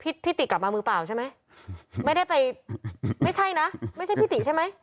พี่พี่ติกลับมามือเปล่าใช่ไหมไม่ได้ไปไม่ใช่นะไม่ใช่พี่ติใช่ไหม